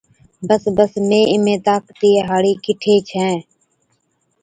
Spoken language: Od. بس بس، مين طاقتِي هاڙِي ڪِٺي ڇَِين؟